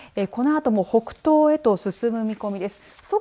このあとも北東へと進む見込みです。